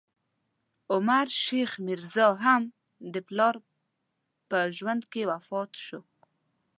عمر شیخ میرزا، هم د پلار په ژوند کې وفات شو.